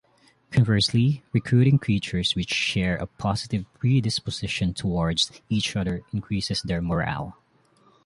Conversely, recruiting creatures which share a positive predisposition towards each other increases their morale.